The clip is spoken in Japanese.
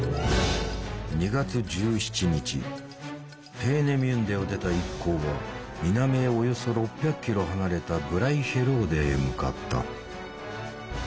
ペーネミュンデを出た一行は南へおよそ６００ｋｍ離れたブライヒェローデへ向かった。